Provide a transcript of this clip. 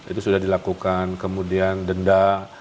itu sudah dilakukan kemudian denda